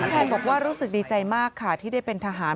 แทนบอกว่ารู้สึกดีใจมากค่ะที่ได้เป็นทหาร